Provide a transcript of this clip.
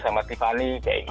sama tiffany kayak gitu